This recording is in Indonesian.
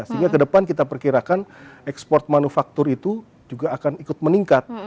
sehingga ke depan kita perkirakan ekspor manufaktur itu juga akan ikut meningkat